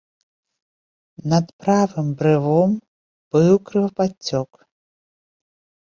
Над правым брывом быў крывападцёк.